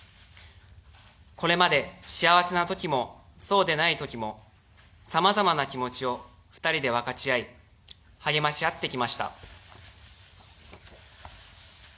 これまで、幸せなときもそうでないときもさまざまな気持ちを２人で分かち合い、励まし合ってきました。